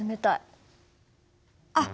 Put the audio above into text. あっ！